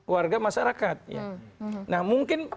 warga masyarakat nah mungkin